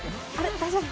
大丈夫？